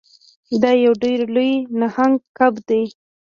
دا یو ډیر لوی نهنګ کب دی.